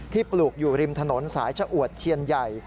ปลูกอยู่ริมถนนสายชะอวดเชียนใหญ่